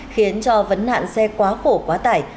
khiến cho vấn nạn xe quá khổ quá tải